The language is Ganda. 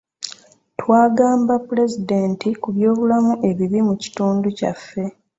Twagamba pulezidenti ku byobulamu ebibi mu kitundu kyaffe.